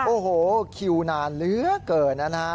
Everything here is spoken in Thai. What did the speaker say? โอ้โหคิวนานเหลือเกินนะฮะ